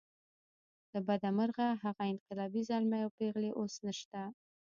له بده مرغه هغه انقلابي زلمي او پېغلې اوس نشته.